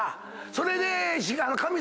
それで。